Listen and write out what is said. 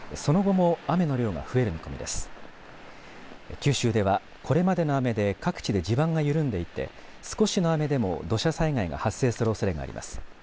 九州ではこれまでの雨で各地で地盤が緩んでいて少しの雨でも土砂災害が発生するおそれがあります。